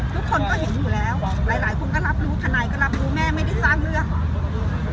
ทุกคนก็เห็นอยู่แล้วหลายคนก็รับดูคันไนก็รับดูแม่ไม่ได้ทราบเลือก